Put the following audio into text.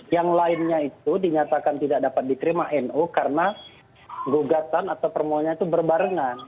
yang lainnya itu dinyatakan tidak dapat dikirim ano karena gugatan atau permohonannya itu berbarengan